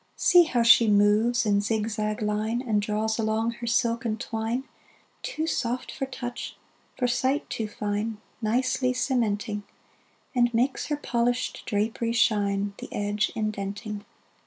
See how she moves in zigzag line, And draws along her silken twine, Too soft for touch, for sight too fine, Nicely cementing: And makes her polished drapery shine, The edge indenting.